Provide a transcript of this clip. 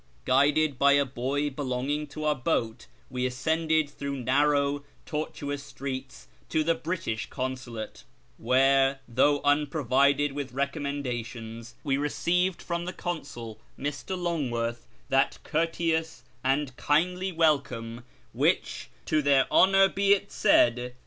Guided by a boy belonging to our boat, w^e ascended through narrow, tortuous streets to the British Consulate, where, though unprovided with recommendations, we received from the Consul, Mr. Longworth, that courteous and kindly welcome which, to their honour be it said.